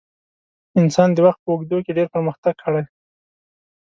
انسان د وخت په اوږدو کې ډېر پرمختګ کړی.